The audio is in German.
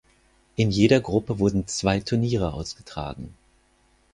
In jeder Gruppe wurden zwei Turniere ausgetragen.